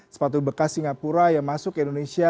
sepatu bekas singapura yang masuk ke indonesia